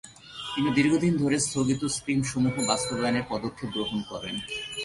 তিনি দীর্ঘদিন ধরে স্থগিত স্ক্রীমসমূহ বাস্তবায়নের পদক্ষেপ গ্রহণ করেন।